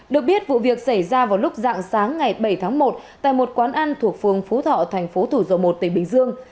được biết vụ việc xảy ra vào lúc dạng sáng ngày bảy tháng một tại một quán ăn thuộc phường phú thọ thành phố thủ dầu một tỉnh bình dương